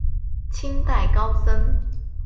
清代高僧。